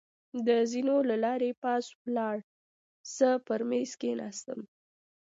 د زېنو له لارې پاس ولاړ، زه پر مېز کېناستم.